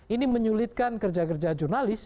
ini menyulitkan kerja kerja jurnalis